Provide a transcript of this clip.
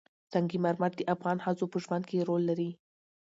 سنگ مرمر د افغان ښځو په ژوند کې رول لري.